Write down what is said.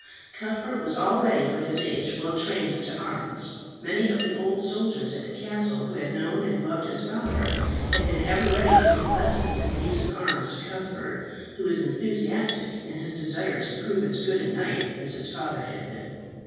Cuthbert was already, for his age, well trained to arms. Many of the old soldiers at the castle who had known and loved his father, had been ever ready to give lessons in the use of arms to Cuthbert, who was enthusiastic in his desire to prove as good a knight as his father had been.